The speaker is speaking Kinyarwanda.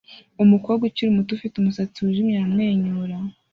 Umukobwa umwe ukiri muto ufite umusatsi wijimye aramwenyura